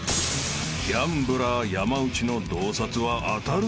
［ギャンブラー山内の洞察は当たるのか］